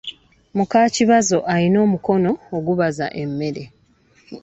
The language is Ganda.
Muka Kibazo alina omukono ogubaza emmere!